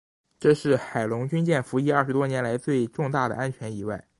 这是海龙军舰服役二十多年来最重大的安全意外。